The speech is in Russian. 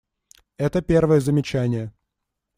Это первое замечание.